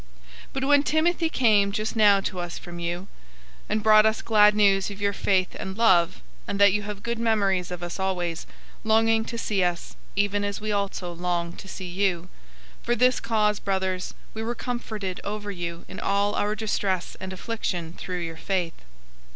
003:006 But when Timothy came just now to us from you, and brought us glad news of your faith and love, and that you have good memories of us always, longing to see us, even as we also long to see you; 003:007 for this cause, brothers, we were comforted over you in all our distress and affliction through your faith.